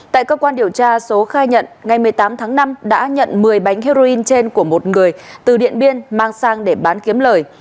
tại cơ quan điều tra số khai nhận ngày một mươi tám tháng năm đã nhận một mươi bánh heroin trên của một người từ điện biên mang sang để bán kiếm lời